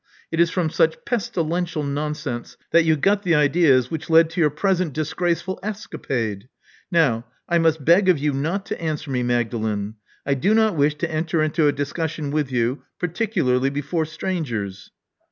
It is from such pestilential nonsense that you got the ideas which led to your present disgraceful escapade. Now, I must beg of you not to answer me, Magdalen. I do not wish to enter into a discussion with you, par ticularly before strangers."